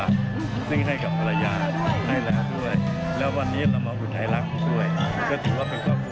รู้สึกว่าก็จะสนับสนุนอาจารย์สมคิดไปตลอดค่ะ